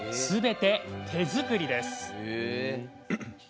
すべて手作りです。